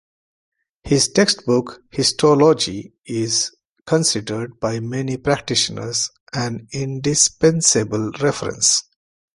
His textbook "Histology" is considered by many practitioners an indispensable reference.